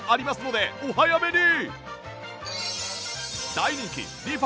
数に限りがありますのでお早めに！